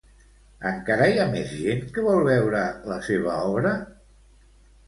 Encara hi ha més gent que vol veure la seva obra?